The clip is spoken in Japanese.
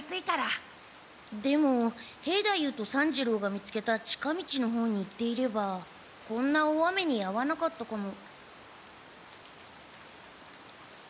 でも兵太夫と三治郎が見つけた近道の方に行っていればこんな大雨にあわなかったかも。